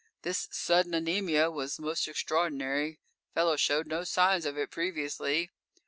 This sudden anemia was most extraordinary; fellow showed no signs of it previously.